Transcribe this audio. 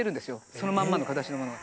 そのまんまの形のものが。